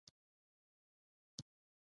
که څه هم زما په پاڼو کې داسې څه نه وو.